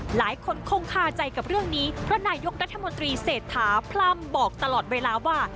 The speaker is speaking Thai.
หลายคนคงคาใจกับเรื่องนี้เพราะนายกรัฐมนตรีเศรษฐาพร่ำบอกตลอดเวลาว่า